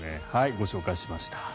ご紹介しました。